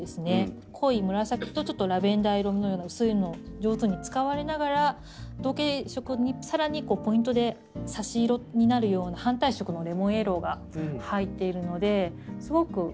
濃い紫とちょっとラベンダー色のような薄いのを上手に使われながら同系色にさらにポイントで差し色になるような反対色のレモンイエローが入っているのですごくバランス。